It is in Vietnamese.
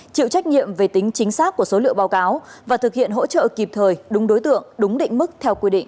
chịu trách nhiệm về tính chính xác của số liệu báo cáo và thực hiện hỗ trợ kịp thời đúng đối tượng đúng định mức theo quy định